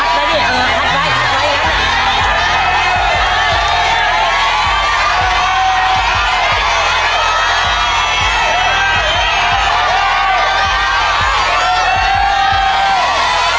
สวัสดีครับ